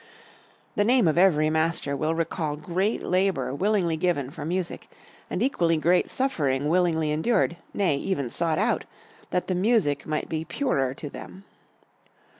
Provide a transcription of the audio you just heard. The name of every master will recall great labor willingly given for music and equally great suffering willingly endured, nay, even sought out, that the music might be purer to them.